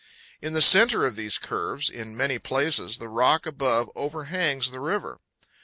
In the center of these curves, in many places, the rock above overhangs the river.